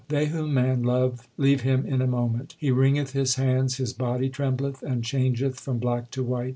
They whom man loved leave him in a moment. He wringeth his hands, his body trembleth, and changeth from black to white.